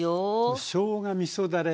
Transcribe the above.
しょうがみそだれ